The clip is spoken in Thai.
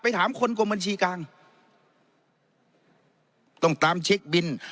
ถามคนกรมบัญชีกลางต้องตามเช็คบิน